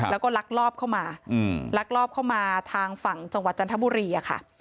แล้วก็ลักลอบเข้ามาลักลอบเข้ามาทางฝั่งจังหวัดจันทบุรีอะค่ะ